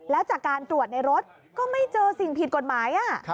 แล้วจากการตรวจในรถก็ไม่เจอสิ่งผิดกฎหมาย